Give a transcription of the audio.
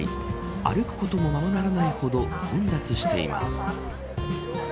歩くことも、ままならないほど混雑しています。